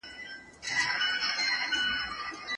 د اوسپني پټلۍ پروژې پیل سوې وه.